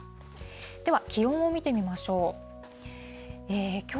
では気温を見てみましょう。